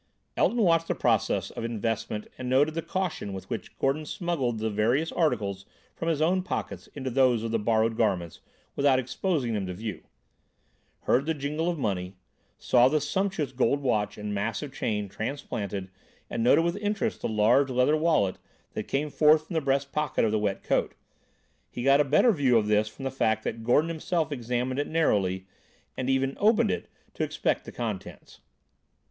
Elton watched the process of investment and noted the caution with which Gordon smuggled the various articles from his own pockets into those of the borrowed garments without exposing them to view; heard the jingle of money; saw the sumptuous gold watch and massive chain transplanted and noted with interest the large leather wallet that came forth from the breast pocket of the wet coat. He got a better view of this from the fact that Gordon himself examined it narrowly, and even opened it to inspect its contents.